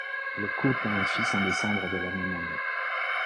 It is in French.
Le couple a un fils en décembre de la même année.